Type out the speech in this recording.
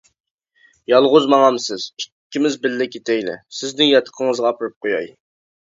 -يالغۇز ماڭامسىز؟ ئىككىمىز بىللە كېتەيلى، سىزنى ياتىقىڭىزغا ئاپىرىپ قوياي.